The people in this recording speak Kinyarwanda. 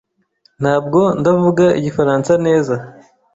Ntabwo ndavuga Igifaransa neza.